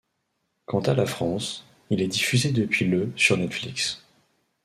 Quant à la France, il est diffusé depuis le sur Netflix.